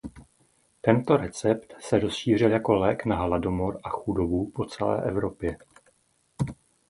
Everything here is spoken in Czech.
Tento recept se rozšířil jako lék na hladomor a chudobu po celé Evropě.